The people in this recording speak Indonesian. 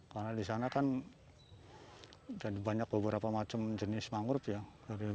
karena di sana kan banyak beberapa macam jenis mangrove ya